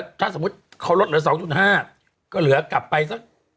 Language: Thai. ถ้าสมมุติเขาลดเหลือ๒๕ก็เหลือกลับไปสัก